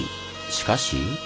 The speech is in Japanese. しかし。